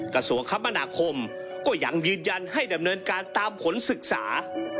กระทรวงคมนาคมก็ยังยืนยันให้ดำเนินการตามผลศึกษา